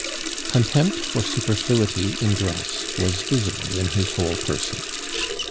Contempt for superfluity in dress was visible in his whole person.